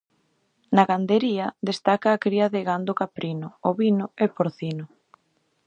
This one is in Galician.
Na gandería destaca a cría de gando caprino, ovino e porcino.